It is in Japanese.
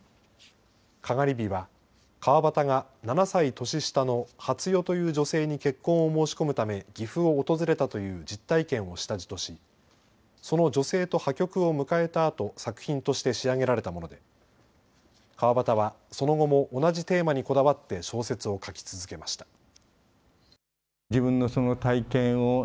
篝火は川端が７歳年下の初代という女性に結婚を申し込むため岐阜を訪れたという実体験を下地としその女性と破局を迎えたあと作品として仕上げられたもので川端はその後も同じテーマにこだわって小説を書き続けました。